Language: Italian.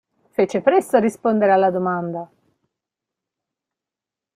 Fece presto a rispondere alla domanda.